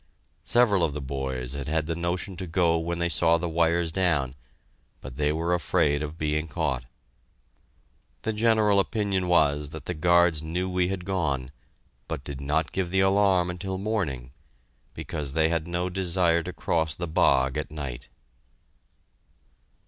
Several of the boys had had the notion to go when they saw the wires down, but they were afraid of being caught. The general opinion was that the guards knew we had gone, but did not give the alarm until morning, because they had no desire to cross the bog at night.